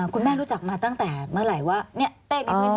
คุณแม่รู้จักมาตั้งแต่เมื่อไหร่ว่าเต้มีเพื่อน